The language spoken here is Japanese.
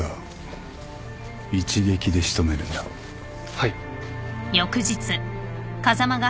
はい。